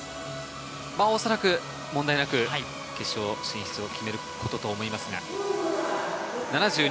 おそらく問題なく決勝進出を決めることと思います。